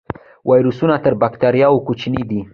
ویروسونه تر بکتریاوو کوچني دي